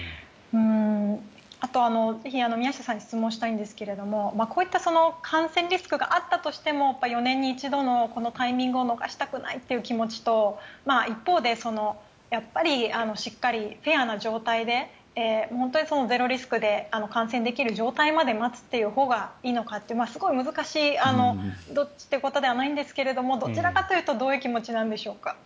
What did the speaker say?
あと、宮下さんに質問したいんですけどもこういった感染リスクがあったとしても、４年に一度のこのタイミングを逃したくないという気持ちと一方で、やっぱりしっかりフェアな状態で本当にゼロリスクで観戦できる状況まで待つほうがいいのかというすごく難しいどっちということじゃないんですけどどちらかというとどういう気持ちなんでしょうか。